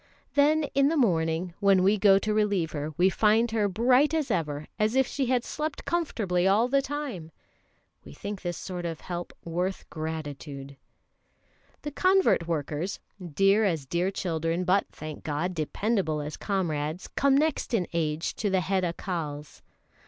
Then in the morning, when we go to relieve her, we find her bright as ever, as if she had slept comfortably all the time. We think this sort of help worth gratitude. The convert workers, dear as dear children, but, thank God, dependable as comrades, come next in age to the head Accals.